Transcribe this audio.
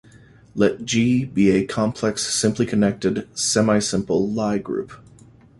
Let "G" be a complex simply connected semisimple Lie group.